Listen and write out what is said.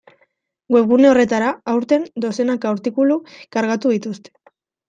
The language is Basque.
Webgune horretara, aurten, dozenaka artikulu kargatu dituzue.